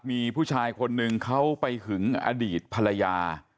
มีผู้ชายคนนึงเขาไปหึงอดีตภรรยา